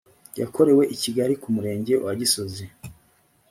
yakorewe i kigali ku murenge wa gisozi